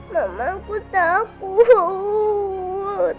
mamah aku takut